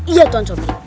iya tuan sopri